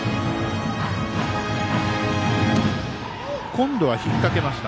今度は引っ掛けました。